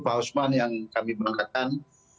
pak osman yang kami perangkatkan